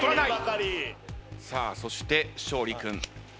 さあそして勝利君。